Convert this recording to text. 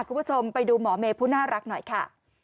คุณผู้ชมไปดูหมอเมย์ผู้น่ารักหน่อยค่ะ